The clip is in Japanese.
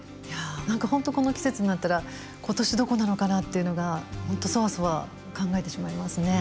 何か本当この季節になったら今年どこなのかなっていうのが本当そわそわ考えてしまいますね。